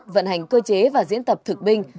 vận hành cơ chế và diễn tập thực binh